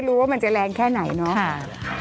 ไม่ได้รู้ว่ามันจะแรงแค่ไหนเนอะ